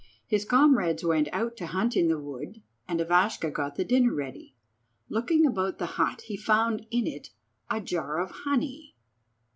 His comrades went out to hunt in the wood, and Ivashka got the dinner ready. Looking about the hut he found in it a jar of honey.